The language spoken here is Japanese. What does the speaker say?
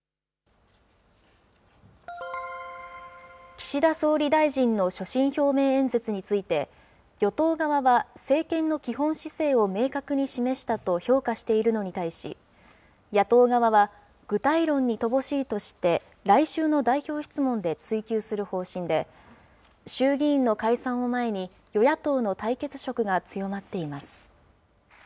岸田総理大臣の所信表明演説について、与党側は政権の基本姿勢を明確に示したと評価しているのに対し、野党側は、具体論に乏しいとして、来週の代表質問で追及する方針で、衆議院の解散を前に、与野党の対決色が強まっています。